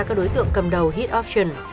các đối tượng cầm đầu hit option